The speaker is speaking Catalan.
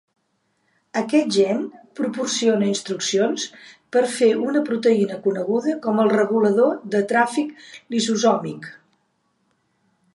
Aquest gen proporciona instruccions per fer una proteïna coneguda com el regulador de tràfic lisosòmic.